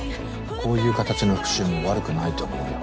こういう形の復讐も悪くないと思うよ。